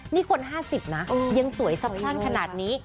นี่คน๕๐นะยังสวยสะพรั่งขนาดนี้